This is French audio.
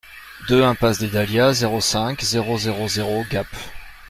deux impasse des Dahlias, zéro cinq, zéro zéro zéro Gap